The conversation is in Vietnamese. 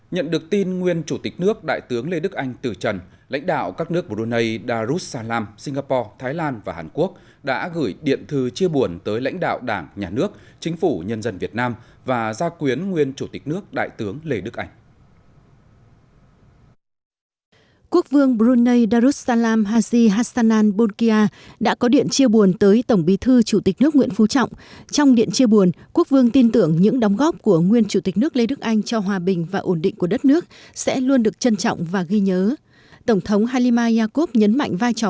nhận được tin nguyên chủ tịch nước đại tướng lê đức anh từ trần lãnh đạo các nước brunei darussalam singapore thái lan và hàn quốc đã gửi điện thư chia buồn tới lãnh đạo đảng nhà nước chính phủ nhân dân việt nam và ra quyến nguyên chủ tịch nước đại tướng lê đức anh